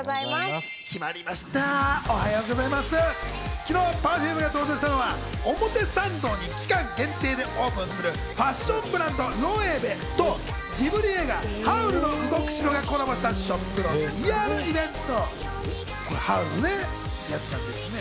昨日、Ｐｅｒｆｕｍｅが登場したのは、表参道に期間限定でオープンするファッションブランド・ロエベとジブリ映画『ハウルの動く城』がコラボしたショップのＰＲイベント。